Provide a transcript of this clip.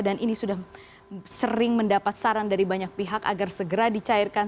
dan ini sudah sering mendapat saran dari banyak pihak agar segera dicairkan